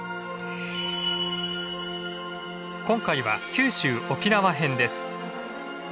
今回は九州沖縄編です。